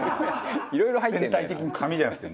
いろいろ入ってる。